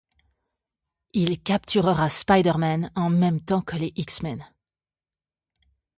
Il capturera Spider-Man en même temps que les X-Men.